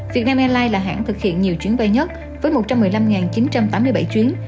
việt nam airlines là hãng thực hiện nhiều chuyến bay nhất với một trăm một mươi năm chín trăm tám mươi bảy chuyến